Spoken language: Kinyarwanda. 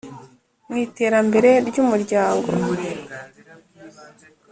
Mwi terambere ryu muryango